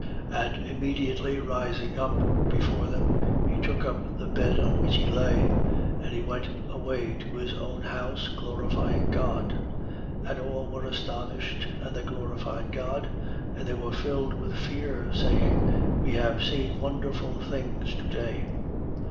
5:25. And immediately rising up before them, he took up the bed on which he lay: and he went away to his own house, glorifying God. 5:26. And all were astonished: and they glorified God. And they were filled with fear, saying: We have seen wonderful things to day.